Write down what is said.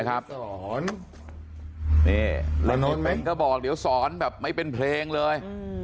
แล้วน้องเบ้นก็บอกเดี๋ยวสอนแบบไม่เป็นเพลงเลย